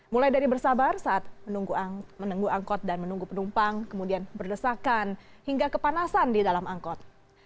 mulai dari bersabar saat menunggu angkot dan menunggu penumpang kemudian berdesakan hingga kepanasan di dalam angkot